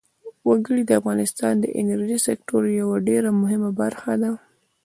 وګړي د افغانستان د انرژۍ سکتور یوه ډېره مهمه برخه ده.